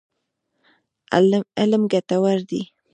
علم ګټور دی.